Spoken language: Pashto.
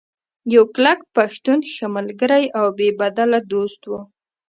يو کلک پښتون ، ښۀ ملګرے او بې بدله دوست وو